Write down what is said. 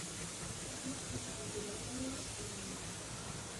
رەھمەت ھەدە! دېگەنلىرىڭىز ئورۇنلۇق.